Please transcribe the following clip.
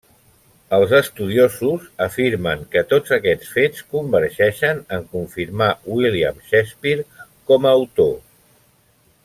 Els estudiosos afirmen que tots aquests fets convergeixen en confirmar William Shakespeare com a autor.